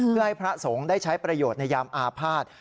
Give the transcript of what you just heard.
เพื่อให้พระสงฆ์ได้ใช้ประโยชน์ในยามอาภาษณ์